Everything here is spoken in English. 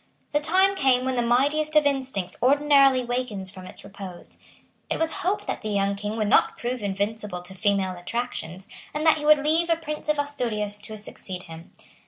The time came when the mightiest of instincts ordinarily wakens from its repose. It was hoped that the young King would not prove invincible to female attractions, and that he would leave a Prince of Asturias to succeed him.